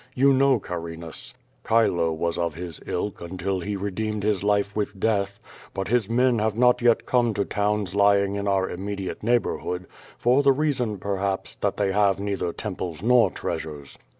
You know Carinas; Chilo was of his ilk until he redeemed his life with death; but his men have not come yet to towns lying in our immediate neighborhood, for the reason, perhaps, that they have neither QUO VADI8. 499 temples nor treasures.